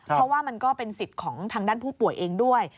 เพราะว่ามันก็เป็นสิทธิ์ของทางด้านผู้ป่วยเองด้วย